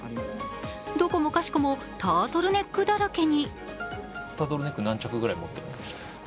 どこもかしこもタートルネックだらけに。